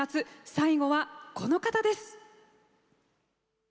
最後は、この方です。